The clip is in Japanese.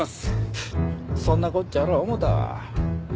そんなこっちゃろう思ったわ。